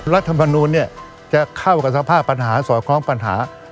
รัฐมนูลเนี่ยจะเข้ากับสภาพปัญหาสอดคล้องปัญหา